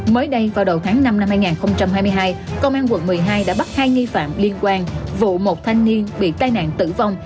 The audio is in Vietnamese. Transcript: mới đây vào đầu tháng năm năm hai nghìn hai mươi hai công an quận một mươi hai đã bắt hai nghi phạm liên quan vụ một thanh niên bị tai nạn tử vong